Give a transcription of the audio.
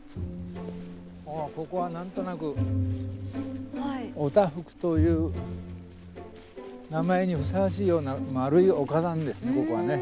ここは何となく「おたふく」という名前にふさわしいような丸い丘なんですね